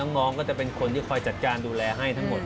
น้องก็จะเป็นคนที่คอยจัดการดูแลให้ทั้งหมด